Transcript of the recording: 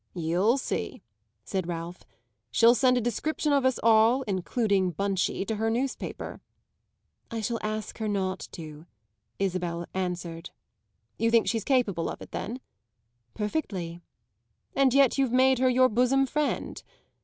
"You'll see," said Ralph. "She'll send a description of us all, including Bunchie, to her newspaper." "I shall ask her not to," Isabel answered. "You think she's capable of it then?" "Perfectly." "And yet you've made her your bosom friend?"